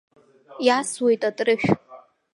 Иасуеит атрышә.